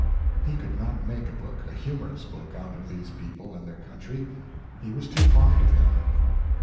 He could not make a book a humorous book out of these people and their country; he was too fond of them.